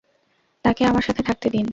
তাকে আমার সাথে থাকতে দিন।